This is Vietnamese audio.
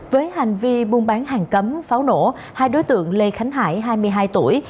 với hành vi buôn bán hàng cấm pháo nổ hai đối tượng lê khánh hải hai mươi hai tuổi